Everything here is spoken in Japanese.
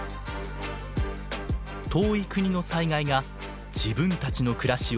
遠い国の災害が自分たちの暮らしを脅かす。